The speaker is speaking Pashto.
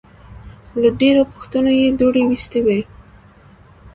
له ډېرو پوهنتونو یې دوړې ویستې وې.